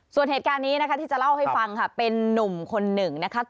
ส่วนเหตุการณ์นี้นะคะที่จะเล่าให้ฟังค่ะเป็นนุ่มคนหนึ่งนะคะ